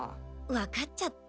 わかっちゃった？